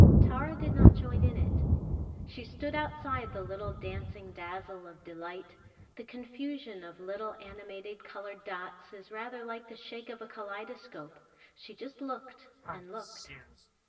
Tara did not join in it. She stood outside the little dancing dazzle of delight the confusion of little animated coloured dots is rather like the shake of a kaleidoscope and she just looked and looked.